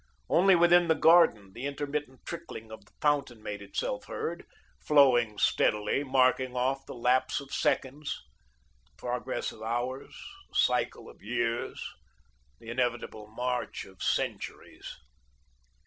Only within the garden, the intermittent trickling of the fountain made itself heard, flowing steadily, marking off the lapse of seconds, the progress of hours, the cycle of years, the inevitable march of centuries.